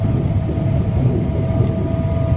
পূজা মনে প্রার্থনা মানে ভগবানের কাছে প্রার্থনার ঘর।